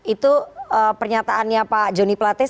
itu pernyataannya pak joni plates